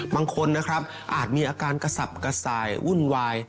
บางคนนะครับอาจมีอาการกระสับกระส่ายวุ่นวาย